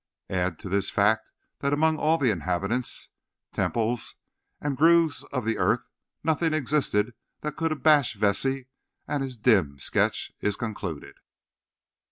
Add to this fact that among all the inhabitants, temples, and groves of the earth nothing existed that could abash Vesey, and his dim sketch is concluded.